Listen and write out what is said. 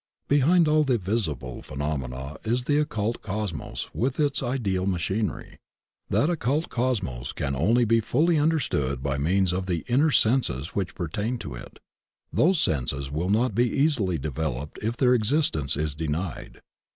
Be hind all the visible phenomena is the occult cosmos with its ideal machinery; that occult cosmos can only be fully understood by means of the inner senses which pertain to it; those senses will not be easily developed if their existence is denied.